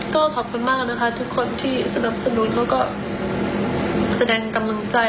ก็ขอบคุณมากนะคะทุกคนที่สนับสนุนเขาก็แสดงกำลังใจ